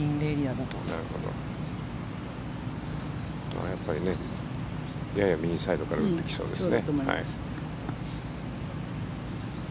でもやっぱりやや右サイドから打ってきそうですね。